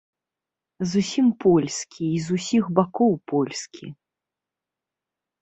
Зусім польскі і з усіх бакоў польскі.